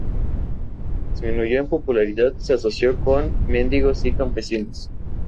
Como disminuyó en popularidad, se asoció con mendigos y campesinos.